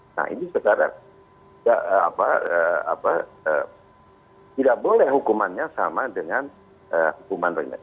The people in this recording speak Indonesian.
nah ini sekarang tidak boleh hukumannya sama dengan hukuman ringan